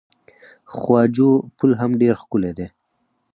خواجو پل هم ډیر ښکلی دی.